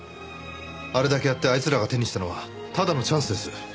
あれだけやってあいつらが手にしたのはただのチャンスです。